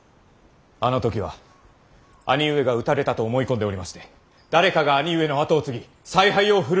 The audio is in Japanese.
あの時は兄上が討たれたと思い込んでおりまして誰かが兄上の跡を継ぎ采配を振るうべきと考えました。